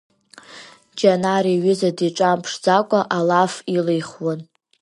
Џьанар иҩыза диҿамԥшӡакәа алаф илихуан.